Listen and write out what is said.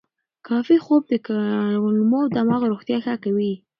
کافي خوب د کولمو او دماغ روغتیا ښه کوي.